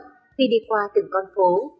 khi đi qua từng con phố